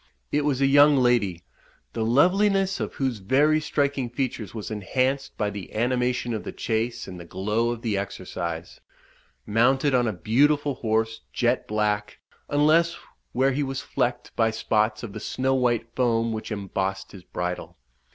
It was a young lady, the loveliness of whose very striking features was enhanced by the animation of the chase and the glow of the exercise, mounted on a beautiful horse, jet black, unless where he was flecked by spots of the snow white foam which embossed his bridle.